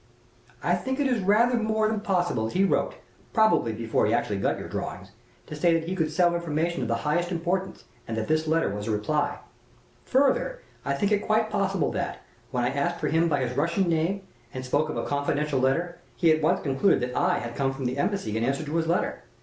I think it is rather more than possible that he wrote probably before he actually got your drawings to say that he could sell information of the highest importance, and that this letter was a reply. Further, I think it quite possible that, when I asked for him by his Russian name and spoke of 'a confidential letter,' he at once concluded that I had come from the embassy in answer to his letter.